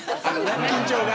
緊張が。